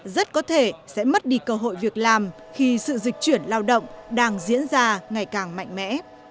rất có thể sẽ mất đi cơ hội việc làm khi sự dịch chuyển lao động đang diễn ra ngày càng mạnh mẽ